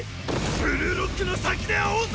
ブルーロックの先で会おうぜ！